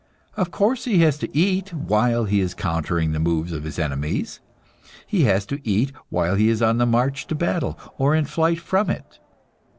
Of course he has to eat while he is countering the moves of his enemies; he has to eat while he is on the march to battle, or in flight from it.